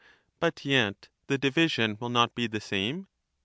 But yet the division will not be the same